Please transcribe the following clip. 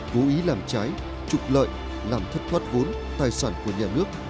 cố ý làm trái trục lợi làm thất thoát vốn tài sản của nhà nước